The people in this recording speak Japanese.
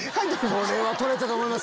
これは撮れたと思います！